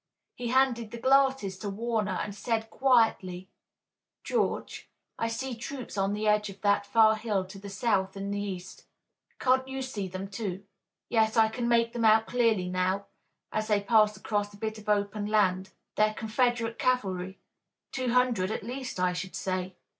He handed the glasses to Warner and said quietly: "George, I see troops on the edge of that far hill to the south and the east. Can't you see them, too?" "Yes, I can make them out clearly now, as they pass across a bit of open land. They're Confederate cavalry, two hundred at least, I should say."